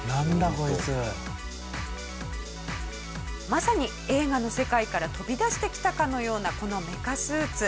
まさに映画の世界から飛び出してきたかのようなこのメカスーツ。